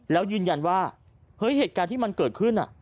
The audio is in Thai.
แล้วยืนยันว่าเฮ้ยเหตุการณ์ที่มันเกิดขึ้น